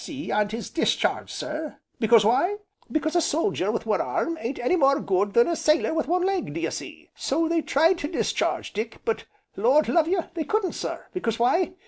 C., and his discharge, sir, because why because a soldier wi' one arm ain't any more good than a sailor wi' one leg, d'ye see. So they tried to discharge Dick, but Lord love you! they couldn't, sir, because why?